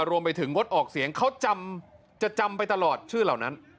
รวมไปถึงงดออกเสียงเขาจำจะจำไปตลอดชื่อเหล่านั้น